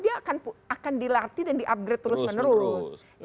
dia akan dilatih dan di upgrade terus menerus